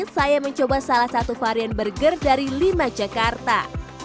saya mencoba salah satu varian burger dari lima jakarta